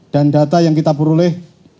dan data yang kita peroleh